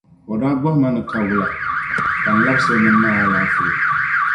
O daa bɔhima ni ka wula, ka n labisi ni n mali alaafee.